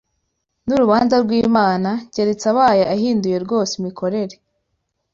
n’urubanza rw’Imana, keretse abaye ahinduye rwose imikorere.